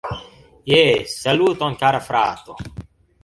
Jes, saluton kara frato